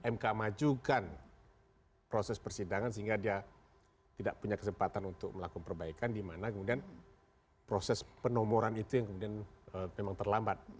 mk majukan proses persidangan sehingga dia tidak punya kesempatan untuk melakukan perbaikan di mana kemudian proses penomoran itu yang kemudian memang terlambat